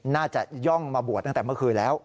น่าจะย่องมาบวชตั้งแต่เมื่อคืนแล้ว